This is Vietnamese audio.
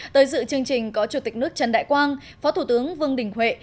tới dự chương trình có chủ tịch nước trần đại quang phó thủ tướng vương đình huệ